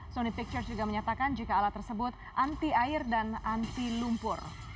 sony pictures juga menyatakan jika alat tersebut anti air dan anti lumpur